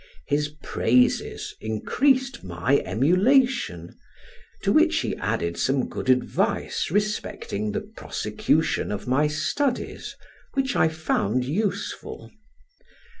His praises increased my emulation, to which he added some good advice respecting the prosecution of my studies, which I found useful.